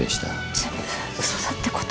全部うそだってこと？